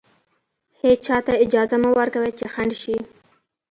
هېچا ته اجازه مه ورکوئ چې خنډ شي.